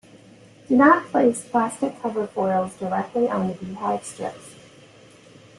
Do not place plastic cover foils directly on the bee-hive strips.